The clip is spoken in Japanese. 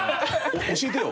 教えてよ。